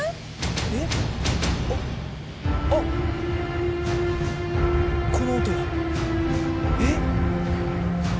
あっこの音はえ？